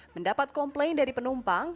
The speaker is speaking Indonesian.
mendapat komplain dari penumpang